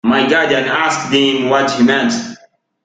My guardian asked him what he meant.